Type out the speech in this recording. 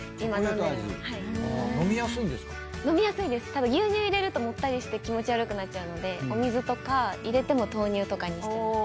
ただ牛乳入れるともったりして気持ち悪くなっちゃうのでお水とか入れても豆乳とかにしてます。